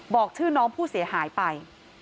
บอกชื่อน้องผู้เสียหายไป